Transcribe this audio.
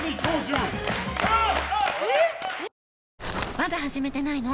まだ始めてないの？